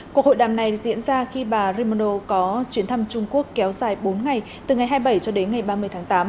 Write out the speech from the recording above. cuộc hội đàm này diễn ra khi bà raymondo có chuyến thăm trung quốc kéo dài bốn ngày từ ngày hai mươi bảy cho đến ngày ba mươi tháng tám